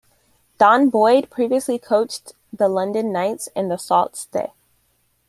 Don Boyd previously coached the London Knights and the Sault Ste.